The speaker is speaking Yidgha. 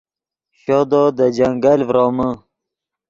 شودو دے جنگل ڤرومے